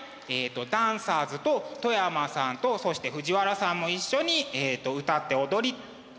ダンサーズと外山さんとそして藤原さんも一緒に歌って踊り